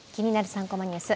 ３コマニュース」